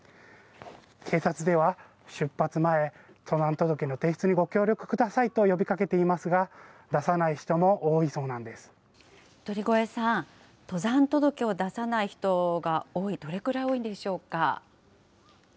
警察では出発前、登山届の提出にご協力くださいと呼びかけていますが、出さない人鳥越さん、登山届を出さない人が多い、どれくらい多いんでしょうか。